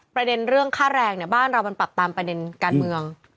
ประเด็นเรื่องค่าแรงเนี่ยบ้านเรามันปรับตามประเด็นการเมือง